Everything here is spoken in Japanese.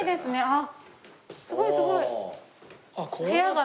あっすごいすごい！